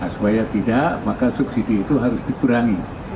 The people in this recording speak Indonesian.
supaya tidak maka subsidi itu harus dikurangi